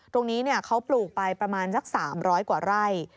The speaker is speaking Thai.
ตรงนี้เขาปลูกไปประมาณสัก๓๐๐กว่าไร่